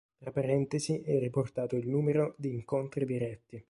Tra parentesi è riportato il numero di incontri diretti.